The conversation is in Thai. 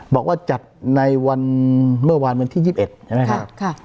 บอกว่าจัดในวันเมื่อวานวันที่๒๑ใช่ไหมครับ